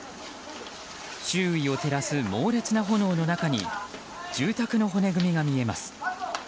周囲を照らす猛烈な炎の中に住宅の骨組みが見えます。